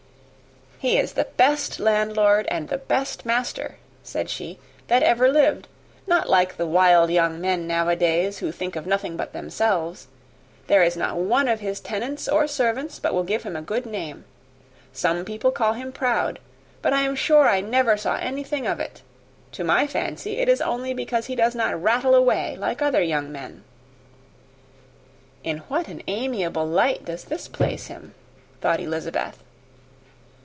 "He is the best landlord, and the best master," said she, "that ever lived. Not like the wild young men now a days, who think of nothing but themselves. There is not one of his tenants or servants but what will give him a good name. Some people call him proud; but I am sure I never saw anything of it. To my fancy, it is only because he does not rattle away like other young men." "In what an amiable light does this place him!" thought Elizabeth.